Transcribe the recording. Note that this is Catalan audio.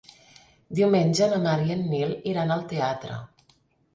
Diumenge na Mar i en Nil iran al teatre.